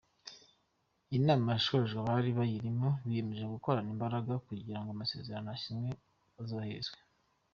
Iyi nama yashojwe abari bayirimo biyemeje gukorana imbaraga kugirango amasezerano basinye azubahirizwe.